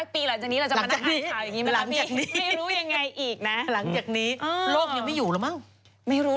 ๔๐๐ปีหลังจากนี้เราจะมานั่งอ่านข่าวอย่างงี้มั้ยบ้าง